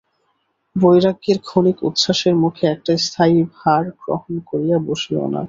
বৈরাগ্যের ক্ষণিক উচ্ছ্বাসের মুখে একটা স্থায়ী ভার গ্রহণ করিয়া বসিয়ো না।